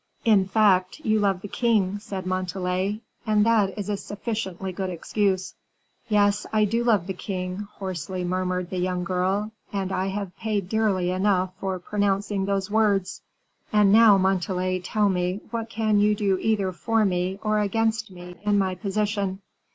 "In fact, you love the king," said Montalais, "and that is a sufficiently good excuse." "Yes, I do love the king," hoarsely murmured the young girl, "and I have paid dearly enough for pronouncing those words. And now, Montalais, tell me what can you do either for me, or against me, in my position?"